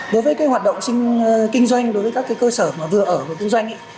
đối với cái hoạt động sinh kinh doanh đối với các cái cơ sở mà vừa ở của kinh doanh